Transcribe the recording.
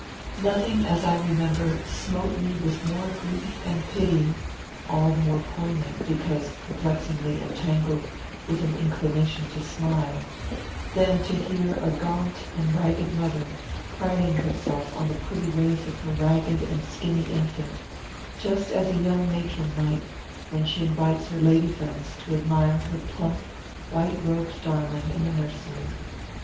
Nothing, as I remember, smote me with more grief and pity (all the more poignant because perplexingly entangled with an inclination to smile) than to hear a gaunt and ragged mother priding herself on the pretty ways of her ragged and skinny infant, just as a young matron might, when she invites her lady friends to admire her plump, white robed darling in the nursery.